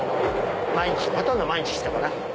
ほとんど毎日来てたかな。